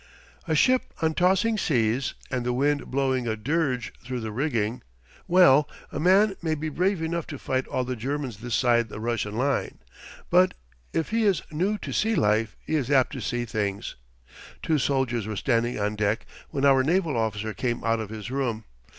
A ship on tossing seas and the wind blowing a dirge through the rigging well, a man may be brave enough to fight all the Germans this side the Russian line, but if he is new to sea life he is apt to see things. Two soldiers were standing on deck when our naval officer came out of his room.